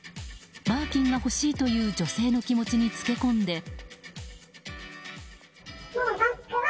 バーキンが欲しいという女性の気持ちにつけ込んで。